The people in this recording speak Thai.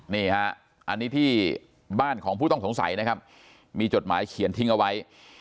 นี่ฮะอันนี้ที่บ้านของผู้ต้องสงสัยนะครับมีจดหมายเขียนทิ้งเอาไว้